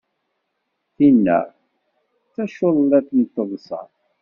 Tinna! d taculliḍt n teḍsa.